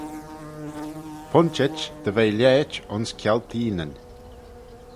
Pointit dy ve lhait ayns kialteenyn.